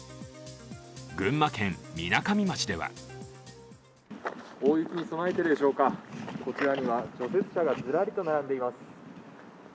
群馬県みなかみ町では大雪に備えてでしょうか、こちらには除雪車がずらりと並んでいます。